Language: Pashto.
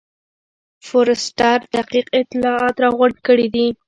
فورسټر دقیق اطلاعات راغونډ کړي دي.